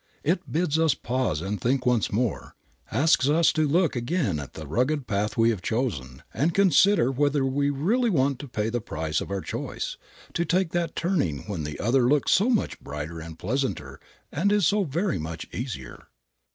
It bids us pause and think once more, asks us to look again at the rugged path we have chosen and consider whether we really want to pay the price of our choice, to take that turning when the other looks so much brighter and pleasanter and is so very much easier.